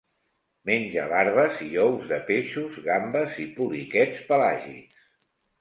Menja larves i ous de peixos, gambes i poliquets pelàgics.